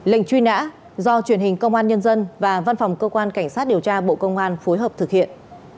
lệnh truy nã do truyền hình công an nhân dân và văn phòng cơ quan cảnh sát điều tra bộ công an phối hợp thực hiện